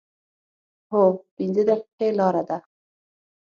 هو، پنځه دقیقې لاره ده